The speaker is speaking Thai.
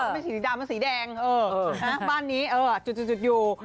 ไม่สีดำแต่สีแดงเออน่ะบ้านนี้เออจุดอยู่